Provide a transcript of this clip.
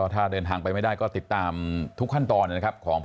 ถ้าเดินทางไปไม่ได้ก็ติดตามทุกขั้นตอนนะครับ